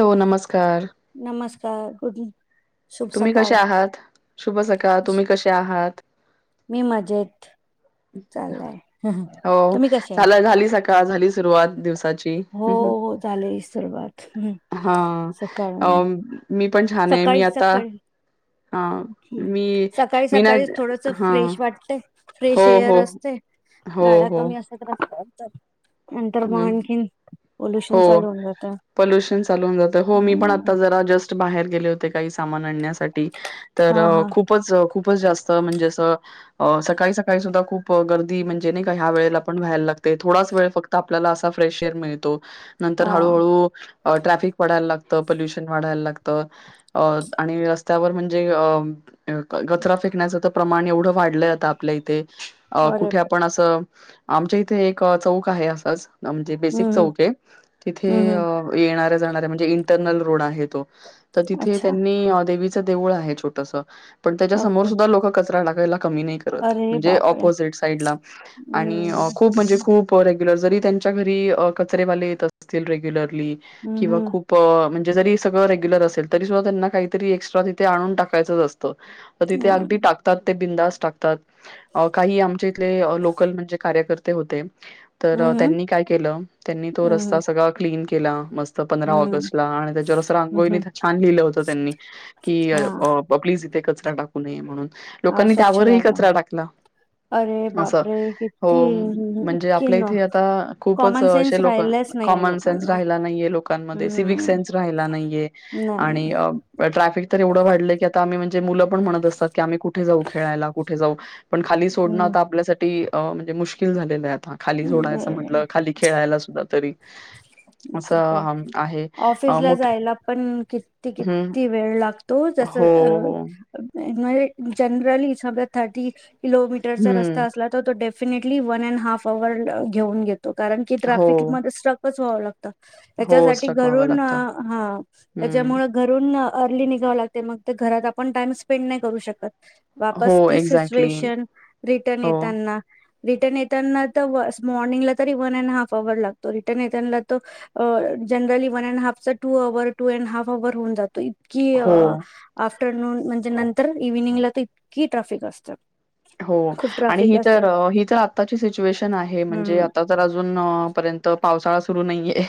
Hello नमस्कार का गुडली तुम्ही कसे आहात शुभ सका तुम्ही कसे आहात मी मजेत चाललाय हो तुम्ही कसे आहे झाला झाली सका का झाली सुरुवात दिवसाची हो हो झाले सुरुवात हम्म. हा सकाळी मी पण छान आहे मी सकाळी आता सकाळी हा मी हम्म सकाळी मी ना सकाळीच थोडस हा फ्रेश वाटतय हो फ्रेश एअर हो असते हो गाड्या हो कमी असतत लागतात तब पोल्युशन हो चालू होऊन जात पल्युशन चाल जात हो मी पण आता जरा जस् बाहेर गेले होते काही सामान हा आणण्या हा खूप खूप जास्त म्हणजे सकाळी सकाळी सुा खप ग म्ह जे का ह्या वेला आपण व्हायला लागते थोडच वेळ फक्त आपल्याला असा फ्रेश एअर मिळतो नंतर हा हळूहळू ट्रॅफिक पडायला लागत तर पल्युशन वाढायला लागतं अ आणि रस्त्यावर म्हणजे अ कचरा फेकण्याचं तर प्रमाण एवढं वाढलंय आता आपल्या इथे अ अरे कुठे आपण असं आमच्या इथे एक चौक आहे अस आच म्हणजे हम्म बेसिक चौक आहे तिथे हम्म हम्म हम्म. येणार म्हणजे इंटरनल रोड आहे तो तर तिथे अच्छा त्यांनी देवळ आहे छोटस पण त्याचाच्यामोर ओके सुद्ध लोक कचरा लागात म्हण खण अरे म्हणजे बापरे ऑपोसिट साईड ला हम्म खूपेग्युलर जरी त्यांच्या घरी कचरेवाले येत असतील रेग्युलर हम्म किंवा हम्म खूप जे जरी सगं रेगुल असेल तरी सुद्धा त्यांना काहीरी एक्स्ट्रा तिथे आणून टाकायचं असतं तिथे अगदी हम्म टाकतात ते बिंदास टाकतात. अहो काही आमच्या इथ लोकल म्हणजे कार्य ते होते तर हम्म त्यांनी काय केलं. त्यांनी तो हम्म सगळा रस्ता क्ली केला मस्त पंधरा हम्म ऑगस्ट ला आणि त्याच्यावर हम्म रांगोळी हम्म छान लिहिलं होत त्यांनी, की हा प्लीज इथे कच टाकू नये म्हणून. हा लोकांनी स्वच्छ त्यावरही जागा आहे. कचरा टाकला अरे असं बापरे हो किती म्हणजे, इतकी आपल्या न इथे खूपच कॉमन असे सेन्स लोक राहिलाच नाहीये कॉमन सेन्स लोकांना राहिला नाहीये, लोकांमध्ये सिविक हम्म सेन्स राहिला नाहीये, नाही आणि या ट्राफिक तर एवढा वाढला आम्ही म्हणजे. जे मुलं पण म्हणत असतात. की आम्ही कुठे जाऊ खेळायला कुठ जाऊ. पण खाली सोडणं हम्म आता आपल्यासाठी अ म्हणजे मुश्किल झाले आहेत. खाली सोडाच, बरोबर म्हटलं खाली खेळायला. तरी, तर असं काय अम, आहे. अ, ऑफिसला मोठ जायला पण किती हं. किती वेळ लागतो हो, जसअ हो. जनरलली सर थर्टी किलोमीटरचा हं. रस्ता असला तर तो definitely one and half hour घेऊन घेत कारण की हो, ट्राफिकमध्ये स्ट्रकच. व्हाव लातात हो. त्याच्यासाठी स्टक व्हावं घरून लागतं. हा हं. त्याच्यामुळे घरून, अर्ली निघावं लागते मग ते घरात आपण टाइम स्पेंड नाही करू शकत. हो, वापस त एक्झॅक्टली. सिच्युएशन रिटर्न हो, येताना. रिटर्न येताना तर मॉर्निंगला तरी वन अँड हाफ अवर लागतो रिटर्न येत. तो जनरली वन अँड हाफ चा टू अँड हाफ अवर होऊन जातो. की अ हो. आप आफ्टरनून म्हणजे नंतर इव्हनिंगला तर इतकी ट्राफिक असतं. हो आणि ही तर ही तर आताची सिच्युएशन आहे. म्हणजे हम्म आता तर अजून र्यंत पावसाळा सुरु नाहीये.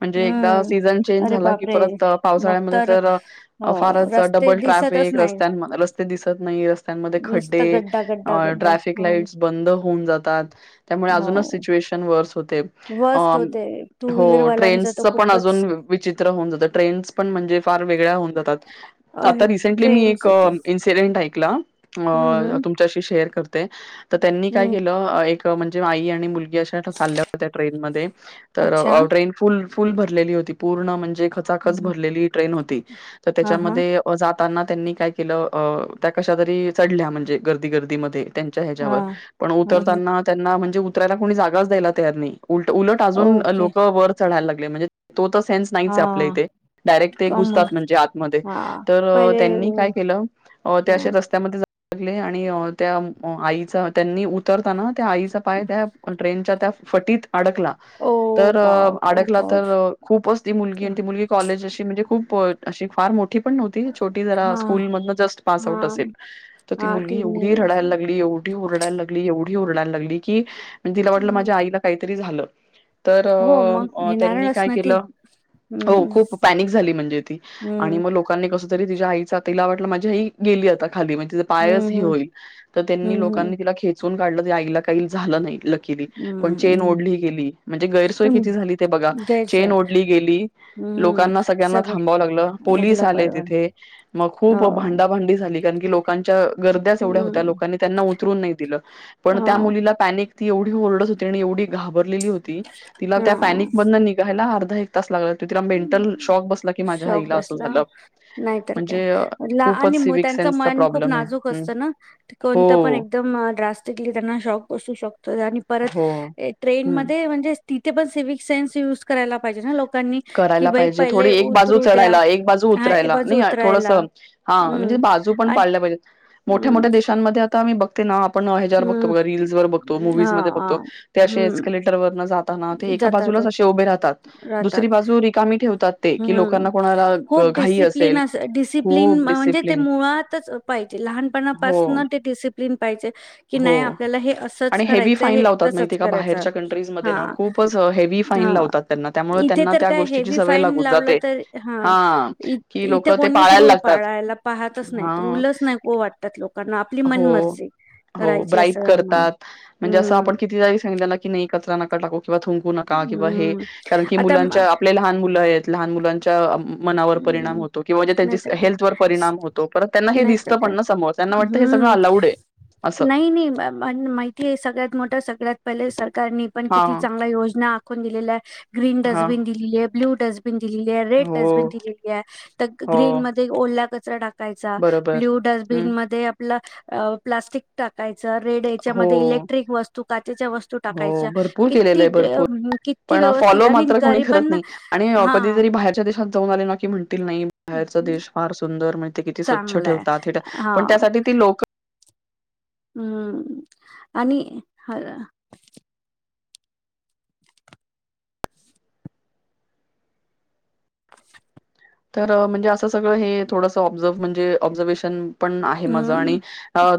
म्हणजे एकदा हम्म सीझन चेंज अरे झाला की बापरे परत पावसाळ्यामध्ये तर हो फारच रस्ते डबल दिसतच ट्रॅफिक नाही रस्त्यां रस्ते दिसत नाही रस्त्यांमध्ये नुसतं खड्डे गड्डा गड्डा गड्डा ट्र हम्म, लाईट ब होऊन जातात त्यामुळे अजून हो स्युए व वर्स्ट होते टू ट्रेन व्हीलरवाल्यांच तर पण खूपच अजून विचित्र होऊन जात ट्रेन पण म्हणजे फार वेगळ्या होऊन जातात आ अरे रिसेंटली मी एक ट्रेनच तर इन्सिडेंट शिकला हम्म हम्म शे तर त्यांनी काय हम्म केलं एक म्हणजे आई आणि मुलगी चालल्या होत्या ट्रेन म तर अच्छा ट्रेन फुल फुल भरलेली होती पूर्ण म्हणजे भ हम्म, हा हा त्या ताना त्यांनी काय केलं त्या कशा तरी चढल्या म्हणजे गर्दी गर्दीमध्ये त्यां हा ह्याच्यावर पण उत हम्म, हम्म. त्यां े उतरायला कोणी जााच द्यायला तयार उल उलट अजून ओके लोक वर चढायला लागले म्हणजे तो सेस हा नाही आप इथे कॉमन डायरेक्टुतात म्हणजे आतमध्ये हा तर पहिले त्यांनी काय केलं हा रत आणि त्या आईचा त्यांनी उतरताना ते आई सपाय त्या ट्रेनच्या त्या फटीत अडकला ओ तर बाप ओ अडकला गॉड तर खूप असती मुलगी आणि त मुली कॉलेज े खप अ फार मो पण न्हती छोटी हा जरा स्कूल जस्ट पास हा आउट असेल ती हा मुलीगी तिन्ही एवढी असेल रडायला एवढी उरडायला लागली एवढी रायला लागली कि तिला वाटलं हम्म माझ्या आईला का तरी झालं. तर हो मग त्यांनी भिणारच काय ना ती केलं हो हम्म खूप पॅनिक झाली म्हणजे ती आणि हम्म मग लोकांनी कस. री तिझ्या आईचा तिला वाटलं माझी आई गेली आता खाली म्हणजे. पाय हम्म होईल तर त्यांनी हम्म लोकांनी तिला खेच काढलं आईला काही झालं नाही. केली पण हम्म चेन हम्म ओढली गेली म्हणजे गैरसोय पण किती झाली ते बघा द्यायच चेन ओढली गेली हम्म लोकांना सगळ्यांना सगळं थांबाव लागलं पोलीस लागलं आले बरोबर तिथे मग हो खूप भांडाभांडी झाली. कारण कलो च्या गर्द एवढ्या होत्या हम्म लोकांनी त्यांना उतून नाही दि पण हा त्या मुलील पैनिक ती एवढ ओरड होती आणि एवढी घा घाबरलेली होती तिला त्या पॉनिक हा मधन निघायला. एक तास लागला. मेंटल शॉक बस की माझ्या शॉक हईला अस बसला झालं नाहीतर काय म्हणजे ला खूपच आणि मग सिविक त्यांचं सेन्स. मन खूप नाजूक असताना कोणता पण त्यांना जास्तीत शॉक बसतो. आणि परत हो ट्रेन हम्म मध्ये म्हणजे. तिथ पण सिव्ह से्स युज कराय पाहिजे लोकांनी. कि करायला बाई पाहिजे पहिले थोडी एक बाजू उतरू द्या चढायला एक बाजू हा उतरायला बस नाही थोडस उतरायला हा म्हणजे हम्म बाजू पण आणि पाडल्या पाहिजे मोठ्या हम्म मोठ्या देशांमध्ये आता आम्ही बघ ते ना आप आपण हजार बघतो हम्म बघ रील् व बतो हा मूज मध्ये हा बघत तेे हम्म एक्लेटर वर्ण जातात. एका जातात बाजूलाच असेभे राहतात. दुरी बाजू रिकामी ठे ह् खप असेल डिसिप्लन डिसिप्लन खूप म्हणजे डिसिप्लिन. मुळातच पाहिजे हो, लहानपणापासून ते डिसिप्लिन. क्लीन पाहिजे. की नाही हो आपल्याला हे असंच आणि हेवी करायचं फाईन हे लावतात तसंच माहितीये का करायचं बाहेरच्या कंट्रीज मध्ये हा. खूपच हेवी फाईन हा लावतात त्यांना त्यामुळे इथे त्यांना तर त्या काय गोष्टीची हेवी सवय फाईन लागून लावला जाते. तर ह हां, की इथे लोकं ते कोणीच पाळायला रूल लागतात. पाळायला पाहतच नाहीत हां. रूलच नाही को वाटतात लोक हो हो ब्राई असं त्यांना करतात म्हणजे असं हम्म आपण किती सग की नाही कचरा नका टाकू किंवा थुंकू नका किंवा हे हम्म कारण की आता म- मुलांच्या आपले लहान मुलं आहेत लहान मुलां. च मनावर परिणाम हम्म होतो किंवा जे नाहीतर त्यां काय हेल्थ ववर परिणाम होतो परत त्यांना हे नाहीतर दिसतं काय पण ना समज त्यांनाट हम्म नाह- नाही माहिती आहे सगळ्यात मोठं सगळ्यात पहिल्यासारखा सरकारने पण किती हां, चांगल्या योजना आखून दिलेल्या आहे ग्रीन हां. डस्टबिन दिलेली आहे ब्ल्यू डस्टबिन ब्लू डस्टबिन दिलेला आहे रेड हो, डसबिन दिलेला आहे डस्टबिन दिलेत हो, ग्रीन मध्ये ओला कचरा चढा य बरोबर. ब्ल्यू हं. डस्टबिन मध्ये आपला अ.... प्लास्टिक टाकायच रेड याच्या हो, मध्ये इलेक्ट्रिक वस्तू काचेच्या वस्तू हो, टाकायच्या भरपूर केलेलं आहे भरपूर. किती-किती पण व्यवस्थित फॉलो आणि मात्र कोणी करत गरबांना नाही आणि अ, हा कधीतरी बाहेरच्या देशात जाऊन आले ना, की म्हण नाही बाहेरचा देश फार सुंदर म्हण किती स्वच्छ चांगलं आहे. ठेवतात हे, पण हां. त्यासाठी ती लोक हम्म आणि ह तर म्हणजे असं सगळं हे थोडंसं ऑब्झर्व्ह म्हणजे ऑब्झर्वेशन पण आहे माझ हम्म. आणि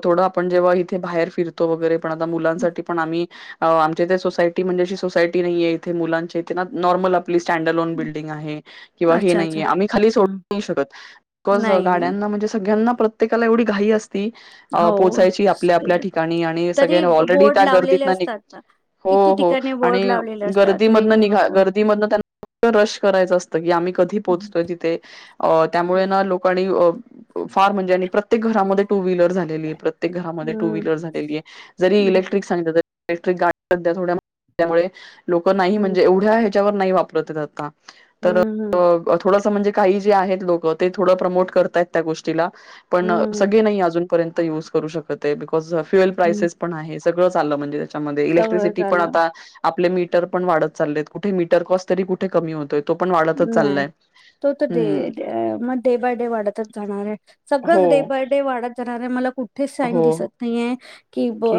थोडं आपण जेव्हा इथे बाहेर फीरतो वगैरे पण आता मुलांसाठी पण आम्ही आमच्या इथे सोसायटी म्हणजे अशी सोसायटी नाहीेय, इथे मुलांचे इथे ना नॉर्मल सॅंडल लोन अच्छा, बिल्डिंग आहे किंवा अच्छा. आम्ही खाली सोडू हं. नाही शकत. बीकॉस नाही. गाड्यांना म्हणजे सगळ्यांना प्रत्येकाला एवढी घाई अस ती अ हो, पोहोचायची आपल्या आपल्या स्पीड. ठिकाणी, आणि तरी सगळ्यांना ऑलरेडी बोर्ड त्या लावलेले गर्दीतन निग असतात ना. हो किती हो ठिकाणी आणि बोर्ड लावलेले असतात. गर्दी वेग मधन निघ नको. गर्दी मधन त्यांना फक्त्त रश करायच असत. आम्ही कधी पोहोच यच हं. तिथे. अ त्यामुळे ना लोकांनी फार म्हणजे आणि प्रत्येक घरामध्ये टू व्हीलर झालेली आहे. प्रत्येक घरामध्ये टू हं, व्हीलर झालेली आहे. जरी हं, इलेक्ट्रिक सांगितली तरी इलेक्ट्रिक गाडी सध्या थोड्या महाग असल्यामुळे लोक नाही म्हणजे एवढे आहेत त्याच्यावर नाही वापरत आहेत आता. हम्म हम्म. थोडंस म्हणजे काही जे आहेत लोक ते थोड प्रमोट करतायत त्या गोष्टीला. पण हं, हं, सगळे नाही अजूनपर्यंत ते युज करू शकत आहे. बीकॉस फ्युएल हं. प्रायसेस पण आहेत. सगळ चाललं म्हणजे त्याचामध्ये सगळं इलेक्ट्रिसिटी पण झालं. आता आपले मीटर पण वाढत चालले आहेत कुठे मीटर कॉस्ट तरी कुठे कमी होतय. तो पण वाढतच नाही. चाललाय. तो तर डे हम्म मग डे बाय डे वाढतच जाणार आहे. हो सगळंच डे बाय डे वाढत जाणार आहे. म [unintelligible] साइन हो दिसत नाहीये. की ब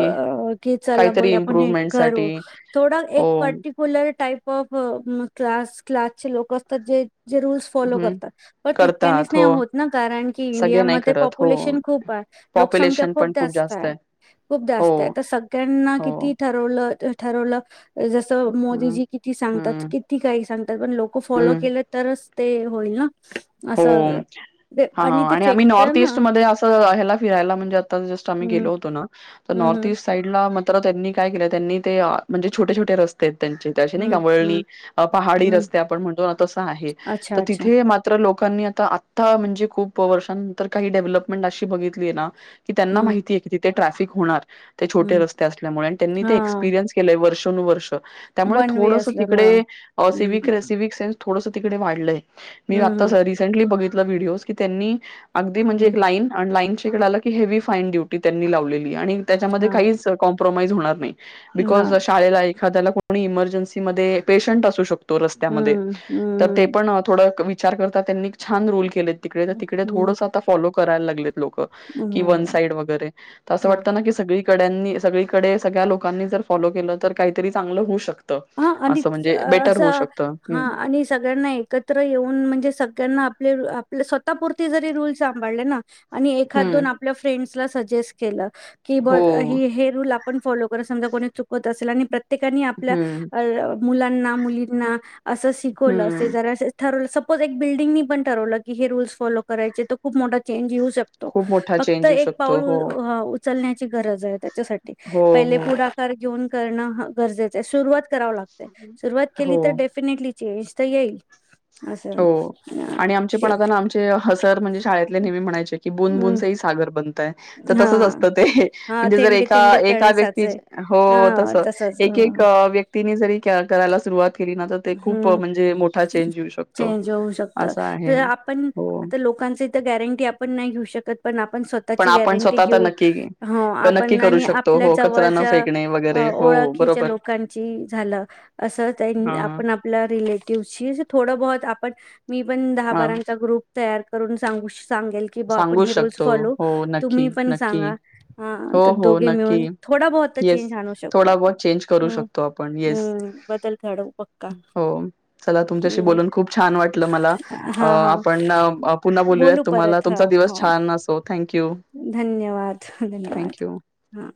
की चला ब काहीतरी आपण हे इम्प्रुव्हमेंट साठी करू, थोडा हो एक पर्टिक्युलर टाईप. फ, फ, मग क्लास-क्लास- -चे लोक असतात जे. जे रूल्स फॉलो हम्म करतात. पण तितक्यानीच करतात नाही हो होत ना कारण की सगळे नाही इंडियामध्ये करत हो पॉप्युलेशन खूप आहे. लोकसंख्या खूप जास्त आहे. खूप हो जास्त आहे. तर सगळ्यांना हो किती ठरवलं तर ठरवलं. जसं हम्म मोदीजी किती सांगतात, हम्म किती काही सांगतात. पण लोक फॉलो हम्म केलं तरच. स्ते होईलं ना. हो, असं ते हा, ते आणि आम्ही नॉर्थ फेकतं ना ईस्ट मधे अस हेला फिरायला म्हणजे. आता जस्ट आम्ही हं, गेलो होतो ना, तर हं, नॉर्थ हं, ईस्ट साइडला तर त्यांनी काय केलं त्यांनी ते म्हणजे छोटे-छोटे रस्ते त्यांचे ते असे नाही का हं, वळणी, हं, पहाडी हं. रस्ते आपण म्हणतो ना तसं आहे. अच्छा, तर अच्छा. तिथे लोकांनी आता-आता म्हणजे खूप वर्षानंतर काही डेव्हलपमेंट अशी बघितली आहे ना. कि त्यांना हं, माहितीय कि तिथे. ट्रॅफिक होणार. ते छोटे हं. रस्ते असल्यामुळे आणि त्यांनी ते हां, एक्सपिरियन्स केलय वर्ष. वर्षातूनवर्ष. त्यामुळे वन वे थोडस असल्यामुळं. तिकडे हं, सिव्हिक-सिव्हिक सेन्स. थोडंसं तिकडे वाढलंय. मी हं, हं, आत्ता रिसेंटली बघितल. व्हिडओ कि त्यांनी. अगदी म्हणजे हं. एक लाईन अर्न लाईन ईकड आलं की, हेवी फाईन ड्यूटी त्यांनी लावली. आणि त्याच्यामध्ये हां, काहीच काॅम्पि प्रोमाइज होणार नाही. बिकॉज हां. शाळेला एक एखाद्याला कोणी इमर्जन्सी मध्ये पेशंट असू शकतो. तो रस्त्यामध्ये हं, हं, तर ते हं. पण थोड क्वि विचार करता त्यांनी छान रोल केले. तिकडे तर हं, तिकडे हं. थोडसं आता फॉलो. करायला लागलेत. लोक. की वन बरं. साईड वगैरे असं वाटत नाी सगळी कड्यांंनी सगळीकडे सगळ्या लोकांनी जर फॉलो केलं तर, काहीतरी चांगलं होऊ शकत. हा आणि असं हा हम्म आणि सगळ्यांना एकत्र येऊन म्हणजे स त्यांना आपले आप स्वतःपुरती जरी रूल सांभाळले ना आणि एखाद हम्म दोन आपल्या फ्रेंड्स सजेस् केलं. कि ब अं हो अं ह हे रूल पण फॉलो करन्यात समजा कोणी चुकत असेल आणि प्र त्येकानी आपल्या हम्म मुलांना मुलींना असं शिकवलं असे हं. जरासे ठरवलं सपोज एक बिल्डिंगनी पण ठरवलं की हे रूल्स फॉलो करायचे तर खूप मोठा चेंज शकतो. खूप मोठा फक्त चेंज येऊ एक शकतो. पाऊल हो. उ अं उ चलण्या गरज आहे त्याच्यासाठी हो, पहिले हो. पुढाकार घेऊन करणं गरजेचं आहे. सुरुवात करावं लागतंय, सुरूवात हो, केली तर डेफिनेटली चेंज तर येईल. हो असं आणि आमचे ते पण आता ना आमचे हजार म्हणजे शाळेत नेहमी म्हणायचे हम्म [inaudible] तर हा तसच असतं, ते हा म्हणजे जर थेंबे एका थेंबे एका तळे व्यक्ती साचे हो हा तस तसच एक एक अं व्यक्तीनी जरी करा करायला सुरुवात केली ना तर, ते खूप हम्म म्हणजे मोठा चेंज येऊ शकतो. चेंज होऊ शकत. असं आहे. आपण हो. आता लोकांच इथ गॅरंटी आपण नाही घेऊ शक त पण आपण पण त्याची आपण गॅरंटी स्वतः तर घेऊ नक्की हा. क नक्की आपण करू आणि शकतो. आपल्या हो कचरा न जवळच्या फेकणे वगैरे. हो ओळखीच्या बरोबर. लोकांची झालं, अस त्यांनी हां. आपण आपल्या रिलेटिव थोड बोल आपण मी पण दहा हां. बारांचा ग्रुप तयार करून सांगू शक सांगेल की बा, आपण सांगू हे रूल्स शकतो. फॉलो हो नक्की, तुम्ही पण सांगा नक्की. हा हो तर हो दोघे मिळून नक्की. थोडा बहुत तर येस चेंज आणू शकू थोडा आपण बहत चेंज करू हम्म शकतो. येस. हम्म बदल घडवू पक्का हो. चला तुमच्याशी हम्म बोलून खूप छान वाटलं मला, हा हा आपण पुन्हा बोलूया बोलू परत तुम्हाला हा तुमचा हो दिवस छान असो थँक्यू. धन्यवाद, धन्यवाद. थँक्यू. हा